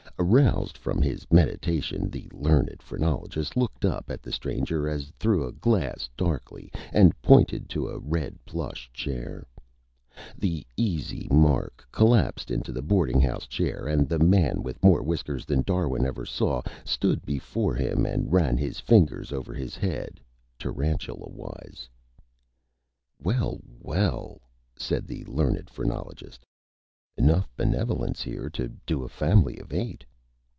Aroused from his Meditation, the Learned Phrenologist looked up at the Stranger as through a Glass, darkly, and pointed to a Red Plush Chair. The Easy Mark collapsed into the Boarding House Chair and the Man with more Whiskers than Darwin ever saw stood behind Him and ran his Fingers over his Head, Tarantula Wise. [Illustration: THE LEARNED PHRENOLOGIST] "Well, well!" said the Learned Phrenologist "Enough Benevolence here to do a family of Eight.